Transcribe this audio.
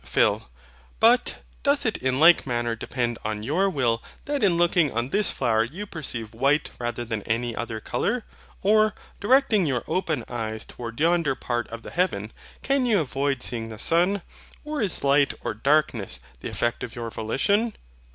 PHIL. But, doth it in like manner depend on YOUR will that in looking on this flower you perceive WHITE rather than any other colour? Or, directing your open eyes towards yonder part of the heaven, can you avoid seeing the sun? Or is light or darkness the effect of your volition?